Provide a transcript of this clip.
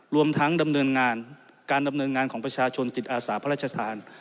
รวมทั้งดำเนินงานการดำเนินงานของประชาชนจิตอาสาพระราชทาน